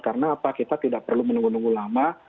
karena apa kita tidak perlu menunggu nunggu lama